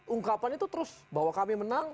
ungkapan itu terus bahwa kami menang